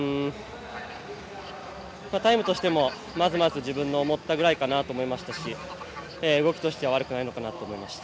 タイムとしても、まずまず自分の思ったくらいかなと思いましたし動きとしては悪くないのかなと思いました。